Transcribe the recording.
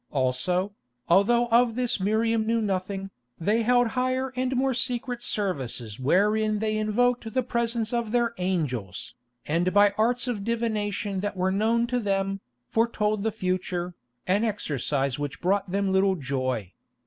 Also, although of this Miriam knew nothing, they held higher and more secret services wherein they invoked the presence of their "angels," and by arts of divination that were known to them, foretold the future, an exercise which brought them little joy.